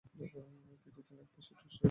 তৃতীয় জন এক পাশে জুস নিয়ে দাঁড়িয়ে থাকবে।